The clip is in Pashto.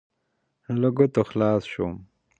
له ګوتو خلاص شوم.